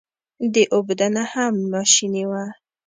د اوبدنه هم ماشیني شوه.